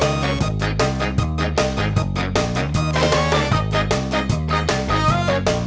อุ้ยปลดท้อง